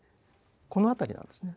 この辺りなんですね。